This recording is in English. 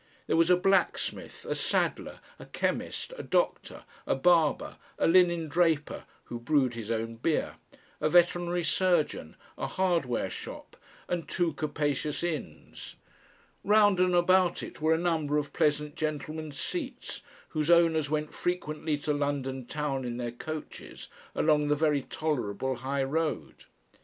There was a blacksmith, a saddler, a chemist, a doctor, a barber, a linen draper (who brewed his own beer); a veterinary surgeon, a hardware shop, and two capacious inns. Round and about it were a number of pleasant gentlemen's seats, whose owners went frequently to London town in their coaches along the very tolerable high road.